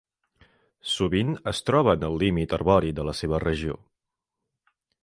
Sovint es troba en el límit arbori de la seva regió.